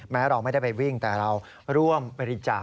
แม้เราไม่ได้ไปวิ่งแต่เราร่วมบริจาค